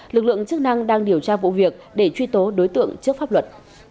lực lượng chức năng đang điều tra vụ việc để truy tố đối tượng trước pháp luật